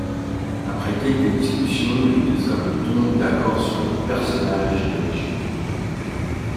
Après quelques discussions, les deux hommes tombent d'accord sur le personnage de Légion.